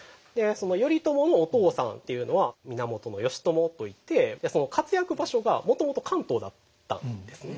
頼朝のお父さんっていうのは源義朝といって活躍場所がもともと関東だったんですね。